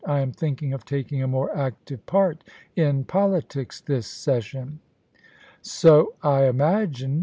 I am thinking of taking a more active part in politics this session.' * So I imagined.